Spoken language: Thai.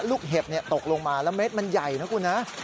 เห็บตกลงมาแล้วเม็ดมันใหญ่นะคุณนะ